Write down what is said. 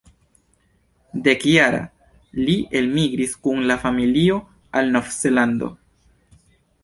Dekjara, li elmigris kun la familio al Novzelando.